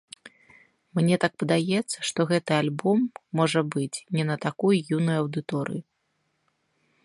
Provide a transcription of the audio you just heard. Мне так падаецца, што гэты альбом, можа быць, не на такую юную аўдыторыю.